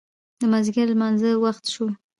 د مازدیګر د لمانځه وخت شو.